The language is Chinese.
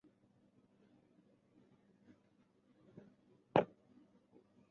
杜瑙保陶伊。